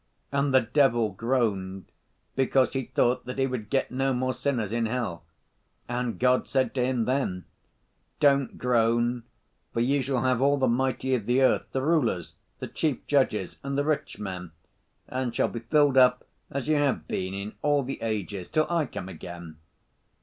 And the devil groaned, because he thought that he would get no more sinners in hell. And God said to him, then, 'Don't groan, for you shall have all the mighty of the earth, the rulers, the chief judges, and the rich men, and shall be filled up as you have been in all the ages till I come again.